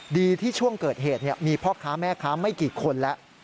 ดีที่ช่วงเกิดเหตุมีพ่อค้าแม่ค้าไม่กี่คนแล้ว